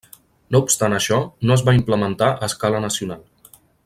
No obstant això, no es va implementar a escala nacional.